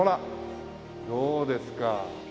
どうですか。